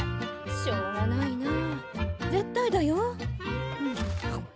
しょうがないなあ絶対だよ。